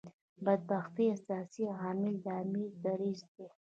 بدبختۍ اساسي عامل د امیر دریځ دی.